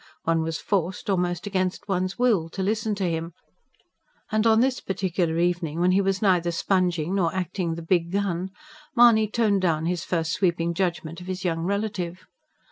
One was forced, almost against one's will, to listen to him; and on this particular evening, when he was neither sponging, nor acting the Big Gun, Mahony toned down his first sweeping judgment of his young relative.